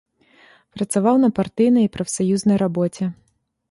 Працаваў на партыйнай і прафсаюзнай рабоце.